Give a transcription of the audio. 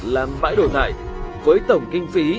làm bãi đổ thải với tổng kinh phí